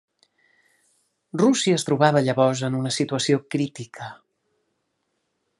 Rússia es trobava llavors en una situació crítica.